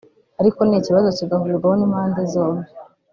ariko n’ikibazo kigahurirwaho n’impande zombi